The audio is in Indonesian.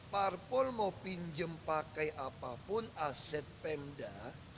parpol mau pinjem pakai apapun aset pemda